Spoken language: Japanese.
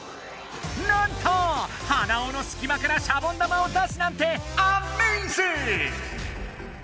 なんとはなおのすき間からシャボン玉を出すなんてアメージング！